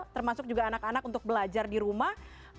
termasuk juga anak anak untuk belajar di rumah